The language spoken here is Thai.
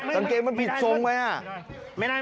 กางเกงมันผิดทรงไหม